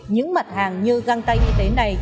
những mặt hàng như găng tay y tế này